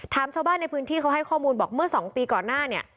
ชาวบ้านในพื้นที่เขาให้ข้อมูลบอกเมื่อ๒ปีก่อนหน้าเนี่ย